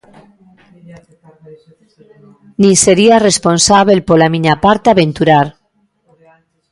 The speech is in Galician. Nin sería responsábel pola miña parte aventurar.